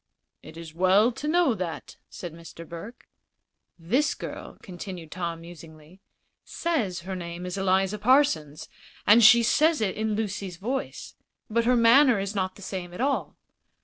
"It is well to know that," said Mr. Burke. "This girl," continued Tom, musingly, "says her name is Eliza Parsons, and she says it in Lucy's voice. But her manner is not the same at all.